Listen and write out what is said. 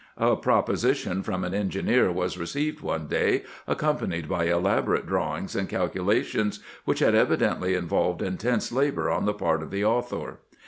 A proposition from an engineer was received one day, accompanied by elaborate drawings and calcu lations, which had evidently involved intense labor on the part of the author.